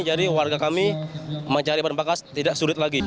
jadi warga kami mencari peran bakar tidak sulit lagi